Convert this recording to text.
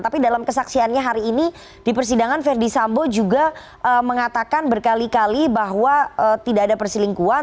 tapi dalam kesaksiannya hari ini di persidangan verdi sambo juga mengatakan berkali kali bahwa tidak ada perselingkuhan